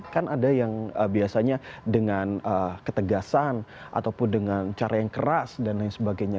kan ada yang biasanya dengan ketegasan ataupun dengan cara yang keras dan lain sebagainya